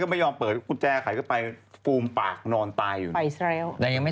กลัวว่าผมจะต้องไปพูดให้ปากคำกับตำรวจยังไง